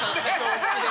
お好きで。